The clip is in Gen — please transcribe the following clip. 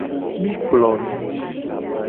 Mi kplo nu.